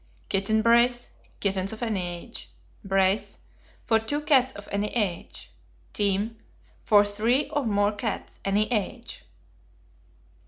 Kitten Brace. Kittens of any age. Brace. For two cats of any age. Team. For three or more cats, any age.